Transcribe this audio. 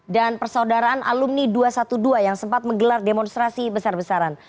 dan persaudaraan alumni dua ratus dua belas yang sempat menggelar demonstrasi besar besaran